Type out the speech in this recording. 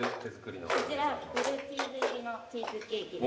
こちらブルーチーズ入りのチーズケーキで。